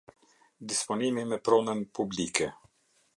Disponimi me pronën publike.